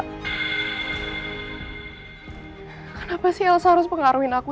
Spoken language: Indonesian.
kenapa sih elsa harus pengaruhi aku